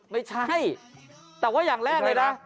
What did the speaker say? ไม่ใช่แต่ว่าอย่างแรกเลยนะ